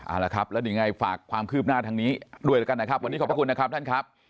เอาละครับแล้วยังไงฝากความคืบหน้าทางนี้ด้วยแล้วกันนะครับวันนี้ขอบพระคุณนะครับท่านครับ